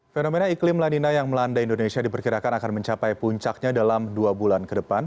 fenomena iklim lanina yang melanda indonesia diperkirakan akan mencapai puncaknya dalam dua bulan ke depan